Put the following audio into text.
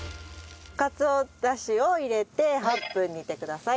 かつおダシを入れて８分煮てください。